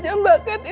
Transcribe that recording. dari mbak cat ya